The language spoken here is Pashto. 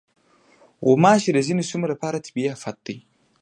غوماشې د ځینو سیمو لپاره طبعي افت دی.